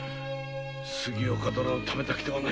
杉岡殿のためだけではない。